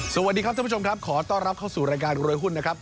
สวัสดีครับท่านผู้ชมครับขอต้อนรับเข้าสู่รายการรวยหุ้นนะครับ